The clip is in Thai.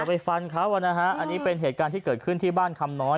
ไปฟันเขาอ่ะนะฮะอันนี้เป็นเหตุการณ์ที่เกิดขึ้นที่บ้านคำน้อย